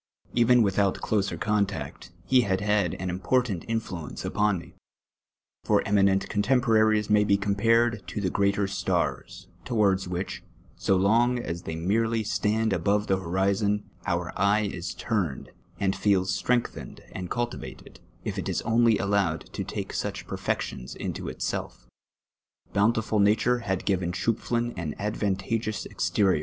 Kvcii without closer contact, he li; ul had an important intl\ience upon me; for eminent contemporaries maybe compared to the greater stars, towards which, so \on^ as they merely stand above the horizon, our eye is tm ned, and feeL*i strengthened and cultivated, if it is only idlowed to take such perfections SCnOEPFLIN. 411 into itself. Koimtiful nnturo luul ii^ivcn Schopflin an advan taucous oxtcrit)!'